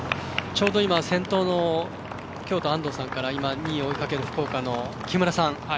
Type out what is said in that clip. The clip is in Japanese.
ちょうど先頭の京都、安藤さんから今、２位を追いかける福岡の木村さん。